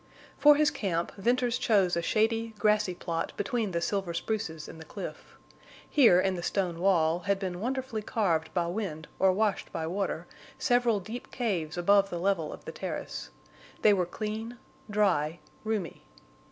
For his camp Venters chose a shady, grassy plot between the silver spruces and the cliff. Here, in the stone wall, had been wonderfully carved by wind or washed by water several deep caves above the level of the terrace. They were clean, dry, roomy.